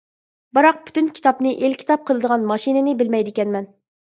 بىراق پۈتۈن كىتابنى ئېلكىتاب قىلىدىغان ماشىنىنى بىلمەيدىكەنمەن.